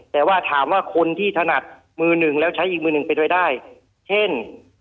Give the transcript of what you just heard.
แต่ว่าถามว่าคนที่ถนัดมือหนึ่งแล้วใช้อีกมือหนึ่งเป็นไปได้เช่น